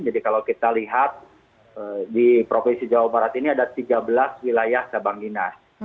jadi kalau kita lihat di provinsi jawa barat ini ada tiga belas wilayah sabang dinas